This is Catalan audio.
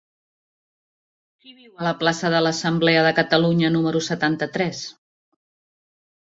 Qui viu a la plaça de l'Assemblea de Catalunya número setanta-tres?